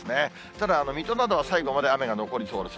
ただ水戸などは最後まで雨が残りそうです。